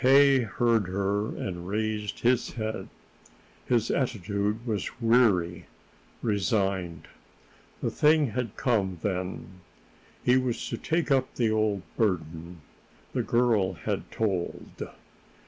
K. heard her and raised his head. His attitude was weary, resigned. The thing had come, then! He was to take up the old burden. The girl had told.